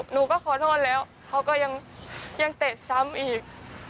หนูก็ขอโทษแล้วเขาก็ยังเตะซ้ำอีก